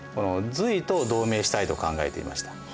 隋と同盟したいと考えていました。